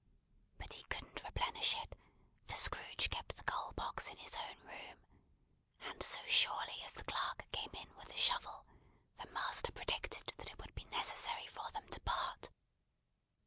But he couldn't replenish it, for Scrooge kept the coal box in his own room; and so surely as the clerk came in with the shovel, the master predicted that it would be necessary for them to part.